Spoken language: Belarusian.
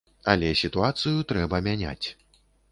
Але сітуацыю трэба мяняць.